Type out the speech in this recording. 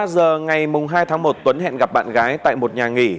một mươi giờ ngày hai tháng một tuấn hẹn gặp bạn gái tại một nhà nghỉ